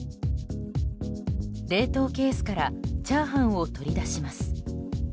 冷凍ケースからチャーハンを取り出します。